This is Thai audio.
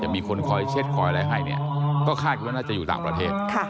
มีคนคอยเช็ดคอยอะไรให้เนี่ยก็คาดกันว่าน่าจะอยู่ต่างประเทศ